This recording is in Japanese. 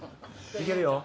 いけるよ。